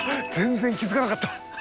全然気づかなかった。